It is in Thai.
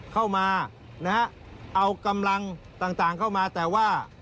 เข้ามานะฮะเอากำลังต่างเข้ามาแต่ว่า